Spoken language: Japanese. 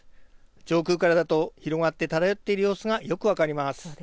上空からだと広がって漂っている様子がよく分かります。